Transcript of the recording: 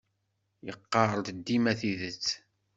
Yeqqar-d dima tidet.